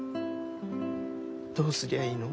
どうすりゃいいの？